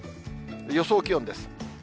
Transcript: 予想気温です。